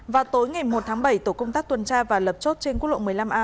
vào tối ngày một tháng bảy tổ công tác tuần tra và lập chốt trên quốc lộ một mươi năm a